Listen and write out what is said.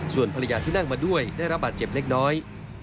ส่วนภรรยาที่นั่งมาด้วยได้รับบาดเจ็บเล็กน้อย